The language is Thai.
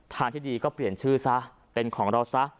ทางที่ดีก็เปลี่ยนชื่อซะเป็นของเราซะ